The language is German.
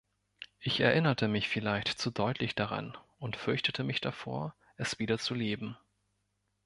Ich erinnerte mich vielleicht zu deutlich daran und fürchtete mich davor, es wieder zu leben.